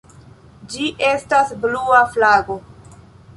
Ĝi estas blua flago.